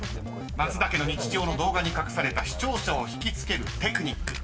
［マツダ家の日常の動画に隠された視聴者を引き付けるテクニック］